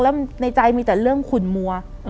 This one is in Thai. แล้วในใจมีแต่เรื่องขุนมัว